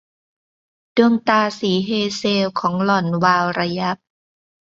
ดวงตาสีเฮเซลของหล่อนวาวระยับ